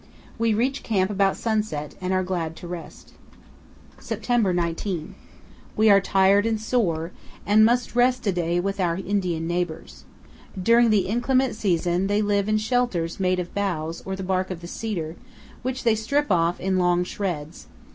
We reach camp about sunset, and are glad to rest. September 19. We are tired and sore, and must rest a day with our Indian neighbors. During the inclement season they live in shelters made of boughs or the bark of the cedar, which they strip off in long shreds.